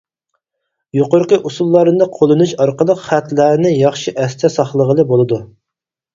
يۇقىرىقى ئۇسۇللارنى قوللىنىش ئارقىلىق خەتلەرنى ياخشى ئەستە ساقلىغىلى بولىدۇ.